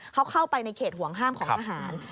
เขาเข้าไปในเขตห่วงห้ามของทหาร